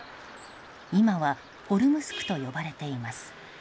今は、ホルムスクと呼ばれています。